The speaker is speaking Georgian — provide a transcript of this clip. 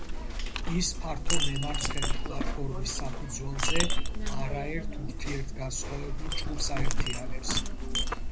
ის ფართო მემარცხენე პლატფორმის საფუძველზე არაერთ ურთიერთგანსხვავებულ ჯგუფს აერთიანებს.